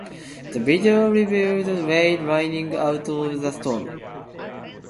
The video revealed Ray riding out the storm.